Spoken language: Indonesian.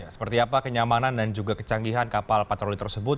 seperti apa kenyamanan dan juga kecanggihan kapal patroli tersebut